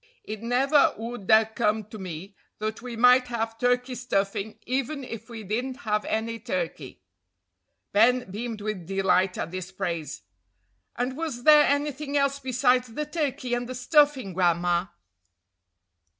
"It never would 'a' come to me that we might have turkey stuffing even if we didn't have any turkey." Ben beamed with delight at this praise. "And was there anything else besides the turkey and the stuffing, Gran'ma?"